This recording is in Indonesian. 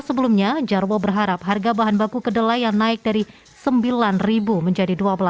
sebelumnya jarwo berharap harga bahan baku kedelai yang naik dari sembilan menjadi dua belas